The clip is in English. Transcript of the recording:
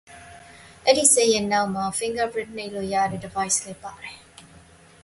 It sports a rear-mounted fingerprint sensor as well.